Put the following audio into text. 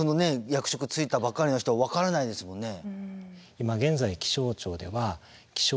役職就いたばっかりの人は分からないですもんね。